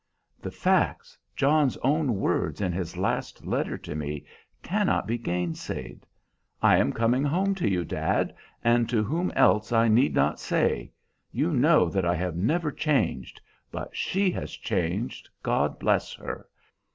"The facts, John's own words in his last letter to me, cannot be gainsaid. 'I am coming home to you, dad, and to whom else I need not say. You know that I have never changed, but she has changed, God bless her!